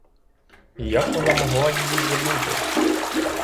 І як вона могла її забути?